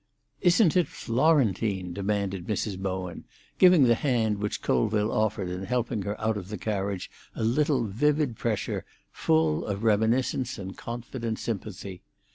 "Isn't it Florentine?" demanded Mrs. Bowen, giving the hand which Colville offered in helping her out of the carriage a little vivid pressure, full of reminiscence and confident sympathy.